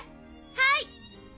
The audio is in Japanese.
はい。